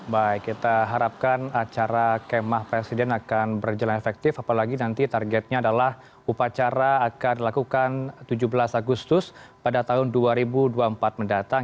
baik kita harapkan acara kemah presiden akan berjalan efektif apalagi nanti targetnya adalah upacara akan dilakukan tujuh belas agustus pada tahun dua ribu dua puluh empat mendatang